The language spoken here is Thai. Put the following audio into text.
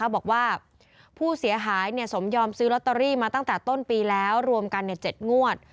บอกว่าผู้เสียหายสมยอมซื้อลอตเตอรี่มาตั้งแต่ต้นปีแล้วรวมกัน๗งวด